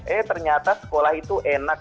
eh ternyata sekolah itu enak